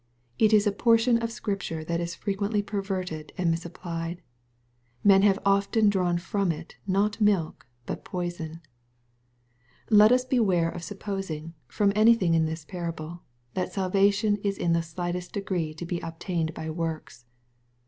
It is a portion of Scrip ture that is frequently perverted and misapplied. Men have often drawn from it, not milk, but poison. Let us beware of supposing, from anything in this parable, that salvation is in the slightest degree to be obtained by works.